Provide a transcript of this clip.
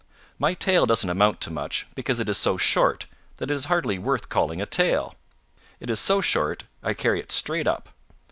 My tail doesn't amount to much because it is so short that it is hardly worth calling a tail. It is so short I carry it straight up.